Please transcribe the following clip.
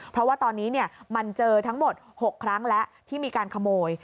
เพราะว่าตอนนี้มันเจอทั้งหมด๖ครั้งแล้วที่มีการขโมย